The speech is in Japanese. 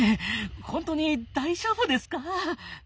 本当に大丈夫ですか？